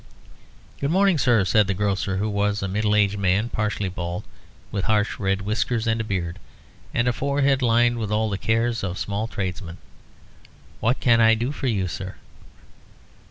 "Good morning, sir," said the grocer, who was a middle aged man, partially bald, with harsh red whiskers and beard, and forehead lined with all the cares of the small tradesman. "What can I do for you, sir?"